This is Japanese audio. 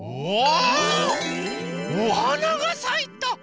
おはながさいた！